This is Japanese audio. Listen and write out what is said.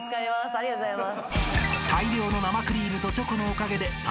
ありがとうございます。